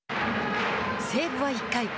西武は１回。